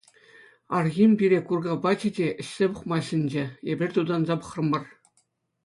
Архим пире курка пачӗ те ӗҫсе пӑхма сӗнчӗ, эпир тутанса пӑхрӑмӑр.